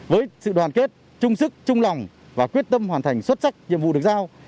với sự đoàn kết trung sức trung lòng và quyết tâm hoàn thành xuất sắc nhiệm vụ được giao